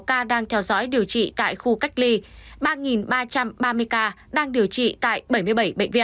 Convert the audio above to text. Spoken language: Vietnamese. một trăm bốn mươi sáu ca đang theo dõi điều trị tại khu cách ly